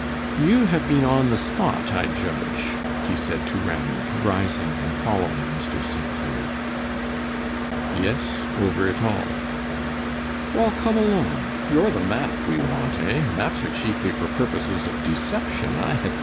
"You have been on the spot, I judge," he said to Ranald, rising and following Mr. St. Clair. "Yes, over it all." "Wall, come along, you're the map we want, eh? Maps are chiefly for purposes of deception, I have found, ha, ha!